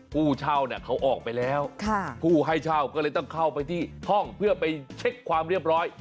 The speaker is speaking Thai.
ผู้เช่าเนี่ยเขาออกไปแล้วผู้ให้เช่าก็เลยต้องเข้าไปที่ห้องเพื่อไปเช็คความเรียบร้อย